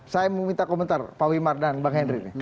saya mau minta komentar pak wimar dan bang henry